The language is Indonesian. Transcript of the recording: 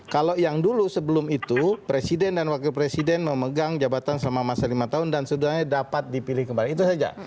kalau yang dulu sebelum itu presiden dan wakil presiden memegang jabatan selama masa lima tahun dan sudah dapat dipilih kembali itu saja